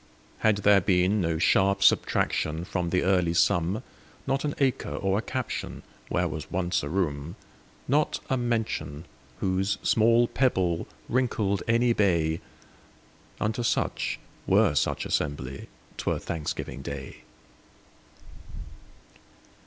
Had there been no sharp subtractionFrom the early sum, Not an acre or a captionWhere was once a room, Not a mention, whose small pebbleWrinkled any bay,—Unto such, were such assembly,'T were Thanksgiving day.